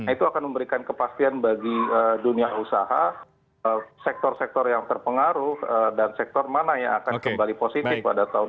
itu akan memberikan kepastian bagi dunia usaha sektor sektor yang terpengaruh dan sektor mana yang akan kembali positif pada tahun dua ribu dua puluh